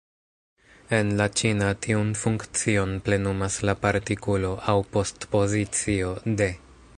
En la ĉina, tiun funkcion plenumas la partikulo, aŭ postpozicio, de.